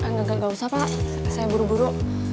nggak usah pak saya buru buru